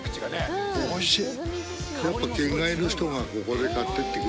おいしい！